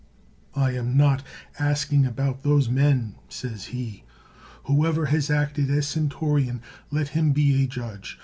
I am not asking about those men, says he. Whoever has acted as centurion let him be a judge.